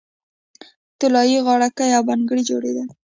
طلايي غاړکۍ او بنګړي جوړیدل